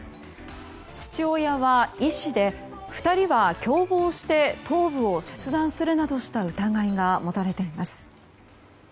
父親は医師で２人は共謀して頭部を切断するなどした疑いが持たれています。